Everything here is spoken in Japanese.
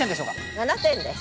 ７点です。